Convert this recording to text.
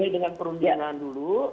dengan perundingan dulu